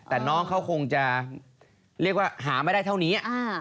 แต่น้องเขาคงจะเรียกว่าหาไม่ได้เท่านี้